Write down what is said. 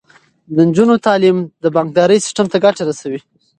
د نجونو تعلیم د بانکدارۍ سیستم ته ګټه رسوي.